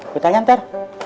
gue tanya ntar